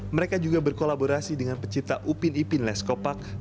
mereka juga berkolaborasi dengan pecinta upin ipin leskopak